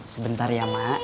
sebentar ya ma